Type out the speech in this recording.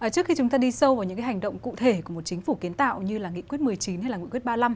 trước khi chúng ta đi sâu vào những hành động cụ thể của một chính phủ kiến tạo như là nghị quyết một mươi chín hay là nghị quyết ba mươi năm